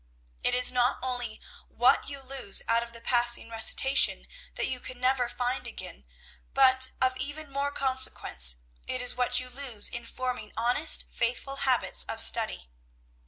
"It is not only what you lose out of the passing recitation that you can never find again, but, of even more consequence, it is what you lose in forming honest, faithful habits of study.